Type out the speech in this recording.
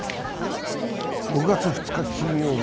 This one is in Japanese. ６月２日金曜日。